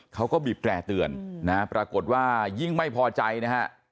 เขาก็บีบแตร่เตือนนะปรากฏว่ายิ่งไม่พอใจนะฮะ